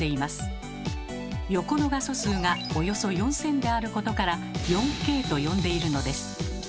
横の画素数がおよそ４，０００であることから４Ｋと呼んでいるのです。